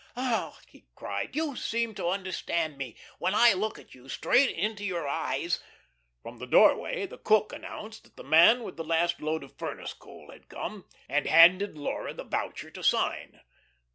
"Ah," he cried, "you seem to understand me. When I look at you, straight into your eyes " From the doorway the cook announced that the man with the last load of furnace coal had come, and handed Laura the voucher to sign.